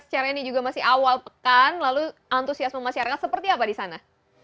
secara ini juga masih awal pekan lalu antusiasme masyarakat seperti apa di sana